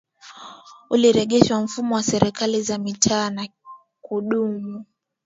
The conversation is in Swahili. ulirejeshwa mfumo wa Serikali za Mitaa na kudumu